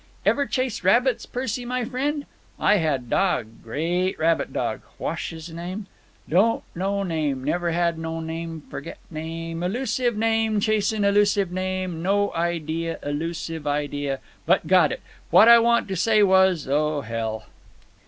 Ever chase rabbits, Percy, my frien'? I had dog—great rabbit dog. Whash 'is name? Don't know name—never had no name—forget name—elusive name—chasin' elusive name—no, idea—elusive idea, but got it—what I want to say was—O hell!"